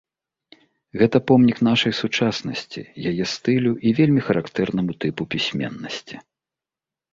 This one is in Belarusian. Гэта помнік нашай сучаснасці, яе стылю і вельмі характэрнаму тыпу пісьменнасці.